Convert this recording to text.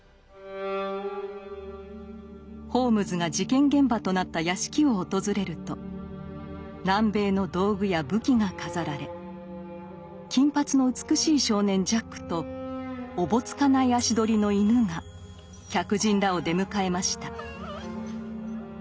ホームズが事件現場となった屋敷を訪れると南米の道具や武器が飾られ金髪の美しい少年ジャックとおぼつかない足取りの犬が客人らを出迎えました。